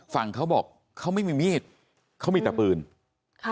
เขาบอกเขาไม่มีมีดเขามีแต่ปืนค่ะ